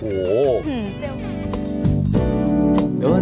โอ้โห